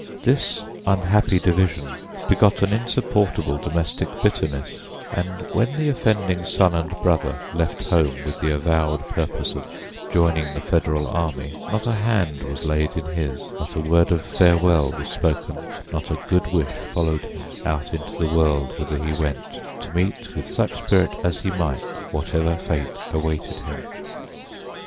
This unhappy division begot an insupportable domestic bitterness, and when the offending son and brother left home with the avowed purpose of joining the Federal army not a hand was laid in his, not a word of farewell was spoken, not a good wish followed him out into the world whither he went to meet with such spirit as he might whatever fate awaited him.